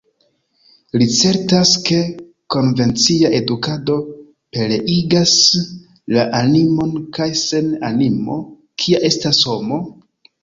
Li certas, ke konvencia edukado pereigas la animon, kaj sen animo, kia estas homo?